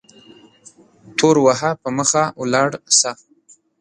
تور وهه په مخه ولاړ سه